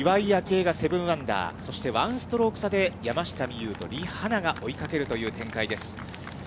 愛が７アンダー、そして１ストローク差で、山下美夢有とリ・ハナが追いかけるという展開です。